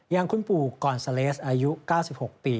อย่างคุณปู่กอนซาเลสอายุ๙๖ปี